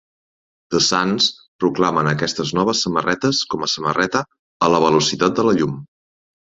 The Suns proclamen aquestes noves samarretes com a samarreta "A la velocitat de la Llum".